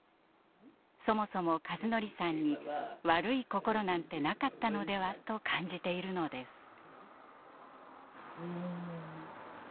そもそも一法さんに悪い心なんてなかったのではと感じているのです。